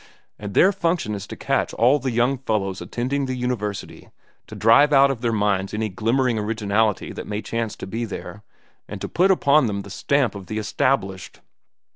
And their function is to catch all the young fellows attending the university, to drive out of their minds any glimmering originality that may chance to be there, and to put upon them the stamp of the established."